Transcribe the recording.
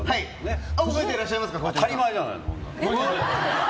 覚えてらっしゃいますか当たり前じゃないの！